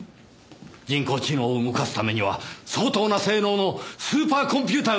人工知能を動かすためには相当な性能のスーパーコンピューターが必要なはずです！